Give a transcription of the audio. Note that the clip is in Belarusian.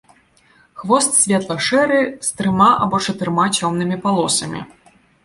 Хвост светла-шэры, з трыма або чатырма цёмнымі палосамі.